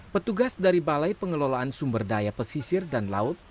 petugas dari balai pengelolaan sumber daya pesisir dan laut